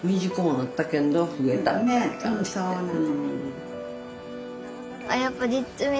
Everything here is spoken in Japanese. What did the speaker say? そうなの。